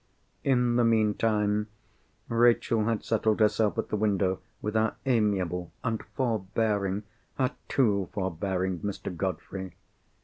In the meantime, Rachel had settled herself at the window with our amiable and forbearing—our too forbearing—Mr. Godfrey.